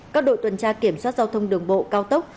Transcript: các đội tuần tra kiểm soát giao thông đường bộ cao tốc